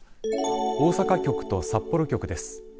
大阪局と札幌局です。